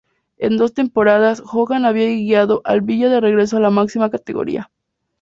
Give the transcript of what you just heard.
En dos temporadas, Hogan había guiado al Villa de regreso a la máxima categoría.